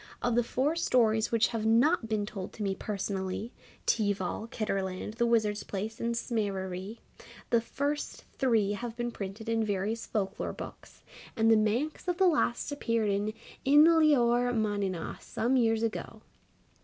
Of the four stories which have not been told to me personally Teeval, Kitterland, The Wizard's Palace, and Smereree the three first have been printed in various folk lore books, and the Manx of the last appeared in 'Yn Lioar Manninagh' some years ago.